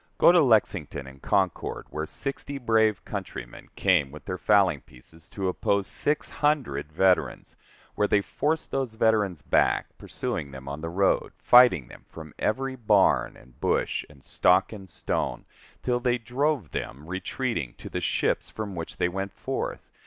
Go to Lexington and Concord, where sixty brave countrymen came with their fowling pieces to oppose six hundred veterans where they forced those veterans back, pursuing them on the road, fighting from every barn, and bush, and stock, and stone, till they drove them, retreating, to the ships from which they went forth!